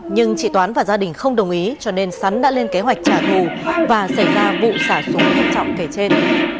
nhưng chị toán và gia đình không đồng ý cho nên sắn đã lên kế hoạch trả thù và xảy ra vụ xả súng nghiêm trọng kể trên